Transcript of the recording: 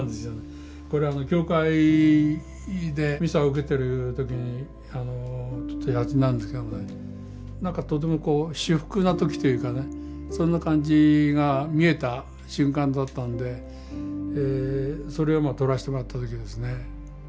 これ教会でミサを受けてる時に撮ったやつなんですけどねなんかとてもこう至福な時というかねそんな感じが見えた瞬間だったんでそれを撮らせてもらった時ですね。